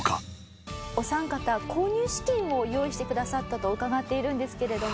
お三方購入資金を用意してくださったと伺っているんですけれども。